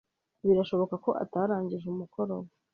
Birashoboka ko atarangije umukoro we.